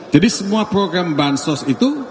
jadi semua program bahan sosial itu